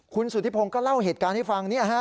คุณสุธิพงศ์ก็เล่าเหตุการณ์ให้ฟัง